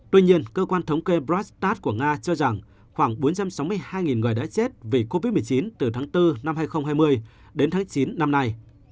tuy nhiên cơ quan thống kê brazta của nga cho rằng khoảng bốn trăm sáu mươi hai người đã chết vì covid một mươi chín từ tháng bốn năm hai nghìn hai mươi đến tháng chín năm nay